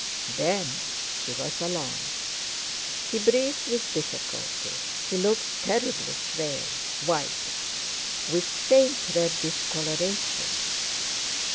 Then she was alarmed. He breathed with difficulty, he looked terribly frail, white, with faint red discolorations.